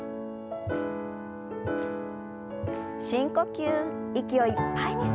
深呼吸。